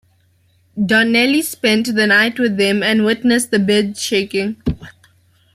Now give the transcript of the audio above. Donnelly spent the night with them and witnessed the bed shaking.